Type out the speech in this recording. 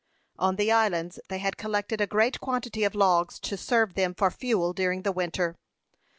On the islands they had collected a great quantity of logs, to serve them for fuel during the winter.